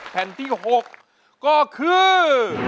แผ่นที่๖ก็คือ